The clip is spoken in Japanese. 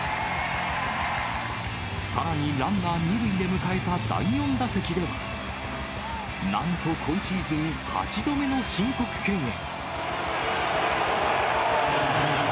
さらにランナー２塁で迎えた第４打席では、なんと、今シーズン８度目の申告敬遠。